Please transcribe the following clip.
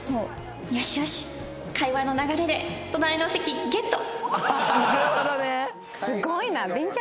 よしよし会話の流れで隣の席ゲット！